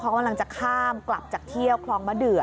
เขากำลังจะข้ามกลับจากเที่ยวคลองมะเดือ